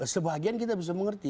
sebagian kita bisa mengerti